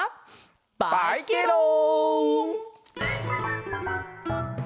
バイケロん！